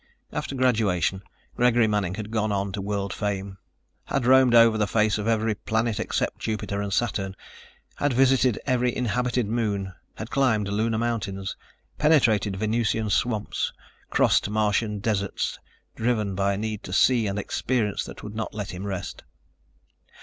After graduation Gregory Manning had gone on to world fame, had roamed over the face of every planet except Jupiter and Saturn, had visited every inhabited moon, had climbed Lunar mountains, penetrated Venusian swamps, crossed Martian deserts, driven by a need to see and experience that would not let him rest.